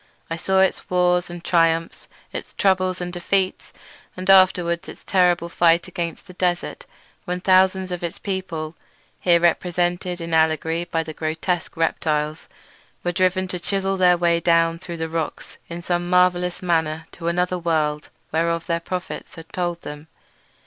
I saw its wars and triumphs, its troubles and defeats, and afterward its terrible fight against the desert when thousands of its people—here represented in allegory by the grotesque reptiles—were driven to chisel their way down through the rocks in some marvellous manner to another world whereof their prophets had told them.